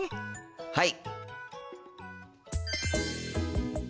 はい！